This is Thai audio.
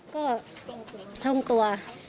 ก็ส่งตัว